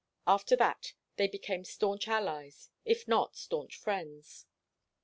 After that they became staunch allies, if not staunch friends.